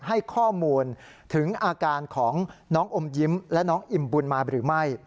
ให้ข้อมูลถึงอาการของน้องอมยิ้มและน้องอิ่มบุญมาหรือไม่